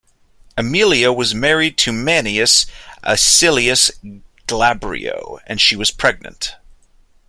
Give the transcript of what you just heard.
Aemilia was married to Manius Acilius Glabrio, and she was pregnant.